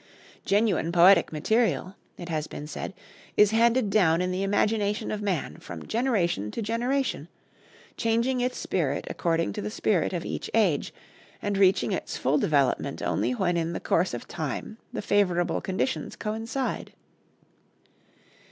"Genuine poetic material," it has been said, "is handed down in the imagination of man from generation to generation, changing its spirit according to the spirit of each age, and reaching its full development only when in the course of time the favorable conditions coincide."